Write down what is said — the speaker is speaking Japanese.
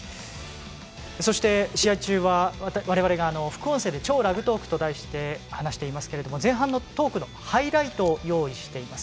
そして、試合中は我々が副音声で「超ラグトーク」と題して話していますけれども前半のトークのハイライトをご用意しています。